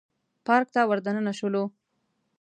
پارک ته ور دننه شولو.